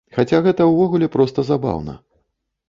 Хаця гэта ўвогуле проста забаўна.